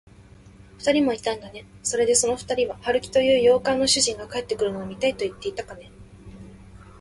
ふたりもいたんだね。それで、そのふたりは、春木という洋館の主人が帰ってくるのを見たといっていたかね。